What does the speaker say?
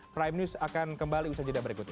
prime news akan kembali usaha jeda berikutnya